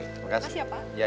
makasih ya pak